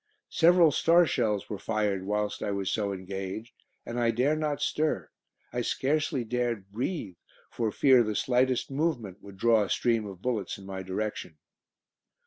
Several star shells were fired whilst I was so engaged, and I dare not stir I scarcely dared breathe for fear the slightest movement would draw a stream of bullets in my direction.